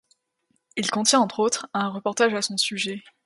Il contient entre autres un reportage à son sujet.